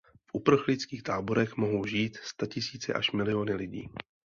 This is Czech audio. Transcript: V uprchlických táborech mohou žít statisíce až miliony lidí.